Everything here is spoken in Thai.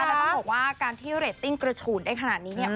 แล้วต้องบอกว่าการที่เรตติ้งกระฉูดได้ขนาดนี้เนี่ย